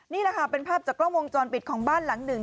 นี่แหละค่ะเป็นภาพจากกล้องวงจรปิดของบ้านหลังหนึ่ง